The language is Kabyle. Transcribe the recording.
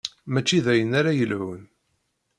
Mačči d ayen ara yelhun.